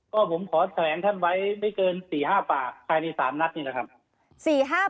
ก็ผมขอแถลงท่านไว้ไม่เกิน๔๕ปากภายใน๓นัดนี่แหละครับ